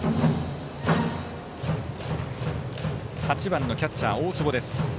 ８番のキャッチャー、大坪です。